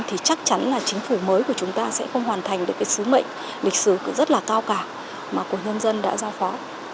thì chắc chắn là chính phủ mới của chúng ta sẽ không hoàn thành được cái sứ mệnh lịch sử rất là cao cả mà của nhân dân đã giao phó